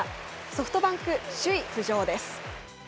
ソフトバンク、首位浮上です。